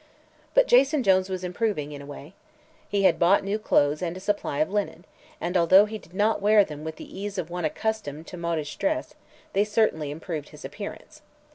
But Jason Jones was improving, in a way. He had bought new clothes and a supply of linen, and although he did not wear them with the ease of one accustomed to modish dress they certainly improved his appearance.